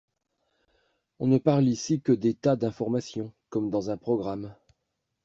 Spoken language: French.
On ne parle ici que d’états d’information, comme dans un programme.